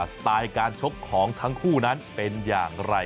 สไตล์การชกของทั้งคู่นั้นเป็นอย่างไร